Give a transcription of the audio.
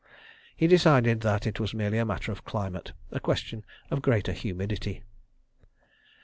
He decided that it was merely a matter of climate—a question of greater humidity.